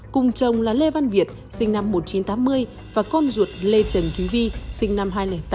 cùng chồng là lê văn việt sinh năm một nghìn chín trăm tám mươi và con ruột lê trần thúy vi sinh năm hai nghìn tám